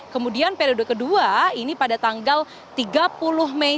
kemudian periode kedua ini pada tanggal tiga puluh mei